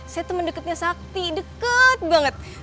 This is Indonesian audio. saya temen deketnya sakti dekat banget